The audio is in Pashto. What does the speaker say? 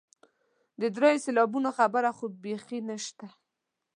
د دریو سېلابونو خبره خو بیخي نشته.